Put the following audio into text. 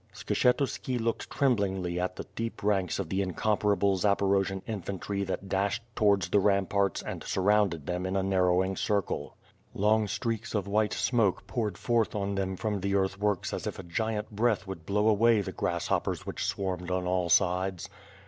Skshetuski looked tremblingly at the deep ranks of the in comparable Zaporojian infantry that dashed towards the ram parts and surrounded them in a narrowing circle. Long streaks of white smoke poured forth on them from the earth works as if a giant breath would blow away the grasshoppers which swarmed on all sides.